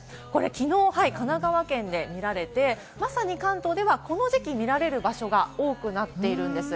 きのう神奈川県で見られて、まさに関東ではこの時期、見られる場所が多くなっているんです。